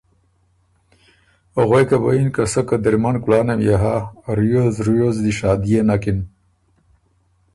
غوېکه بو یِن که سۀ قدِرمن کلانه ميې هۀ ریوز ریوز دی شادئے نکِن